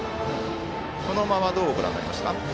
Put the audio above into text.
この間はどうご覧になりますか。